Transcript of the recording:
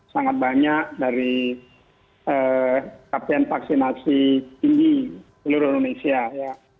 sangat banyak dari capaian vaksinasi tinggi seluruh indonesia ya